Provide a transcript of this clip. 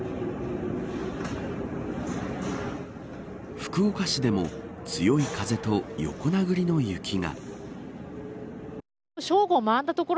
福岡市でも強い風と横殴りの雪が。